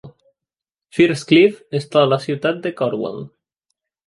Firthcliffe està a la ciutat de Cornwall.